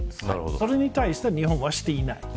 それに対して日本はしていない。